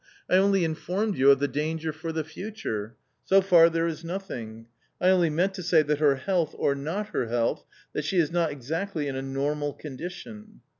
" I only informed you of the danger for the future ; so far there is nothing I only meant to say that her health, or not her health, that she is not exactly in a normal condition."